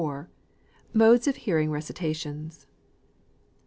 MODES OF HEARING RECITATIONS.